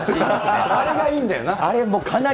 あれがいいんだよな。